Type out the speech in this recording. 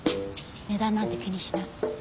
値段なんて気にしない。